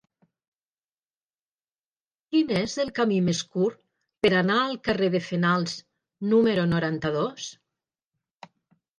Quin és el camí més curt per anar al carrer de Fenals número noranta-dos?